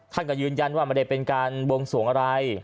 ท่านก็ยืนยันว่าไม่ได้เป็นการบวงสวงอะไร